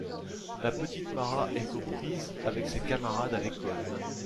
La petite Mara est aux prises avec ses camarades à l'école.